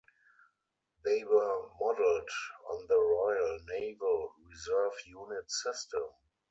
They were modelled on the Royal Naval Reserve unit system.